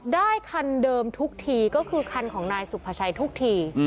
ได้คันเดิมทุกทีก็คือคันของนายสุภาชัยทุกที